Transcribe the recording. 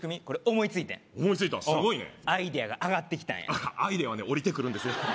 思いついたすごいねアイデアがあがってきたんやアイデアはねおりてくるんです